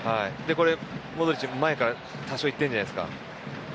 モドリッチは前から多少行ってるじゃないですか。